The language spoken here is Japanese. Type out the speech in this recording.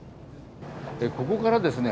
ここからですね